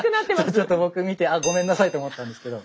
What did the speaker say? ちょっと僕見てあごめんなさいと思ったんですけど。